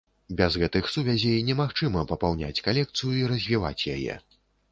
Без гэтых сувязей немагчыма папаўняць калекцыю і развіваць яе.